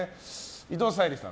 伊藤沙莉さん